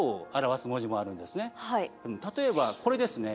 例えばこれですね。